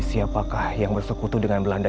siapakah yang bersekutu dengan belanda